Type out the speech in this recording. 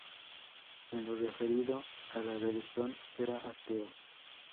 En lo referido a la religión, era ateo.